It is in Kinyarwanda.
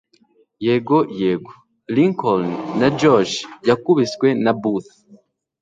yego, yego. lincoln na joth yakubiswe na booth